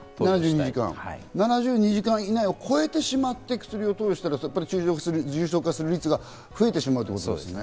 ７２時間を超えると投与しても重症化する率が増えてしまうということですね。